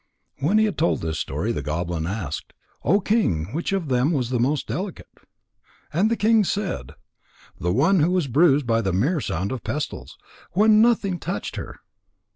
When he had told this story, the goblin asked: "O King, which of them was the most delicate?" And the king said: "The one who was bruised by the mere sound of the pestles, when nothing touched her.